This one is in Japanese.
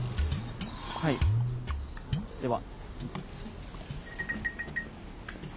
はいでは。